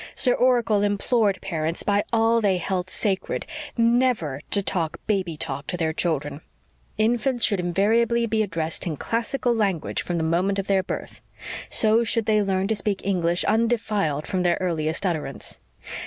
Sir Oracle implored parents by all they held sacred never to talk "baby talk" to their children. Infants should invariably be addressed in classical language from the moment of their birth. So should they learn to speak English undefiled from their earliest utterance.